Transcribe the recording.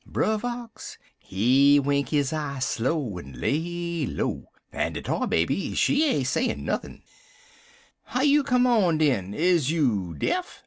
"Brer Fox, he wink his eye slow, en lay low, en de Tar Baby, she ain't sayin' nuthin'. "'How you come on, den? Is you deaf?'